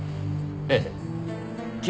ええ。